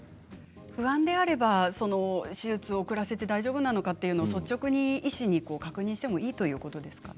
不安であれば手術を遅らせて大丈夫なのかと率直に医師に確認してもいいということですか？